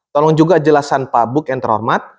tolong juga jelasan pak buk yang terhormat